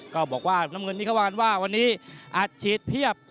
ก็บอกว่าน้ำเงินนี้เขาว่ากันว่าวันนี้อัดฉีดเพียบ